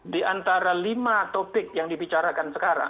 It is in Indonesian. di antara lima topik yang dibicarakan sekarang